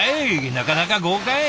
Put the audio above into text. なかなか豪快！